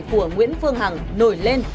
của nguyễn phương hằng nổi lên